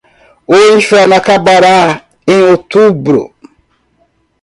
O inferno acabará em outubro